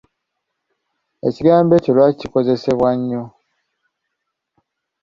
Ekigambo ekyo lwaki kikozesebwa nnyo?